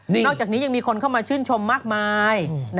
นอกจากนี้ยังมีคนเข้ามาชื่นชมมากมาย